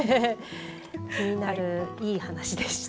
気になるいい話でした。